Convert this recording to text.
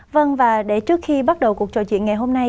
vâng và để trước khi bắt đầu cuộc trò chuyện ngày hôm nay